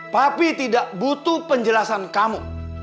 tapi tidak butuh penjelasan kamu